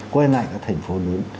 quay lại các thành phố lớn